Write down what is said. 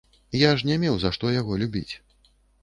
Я ж не меў за што яго любіць.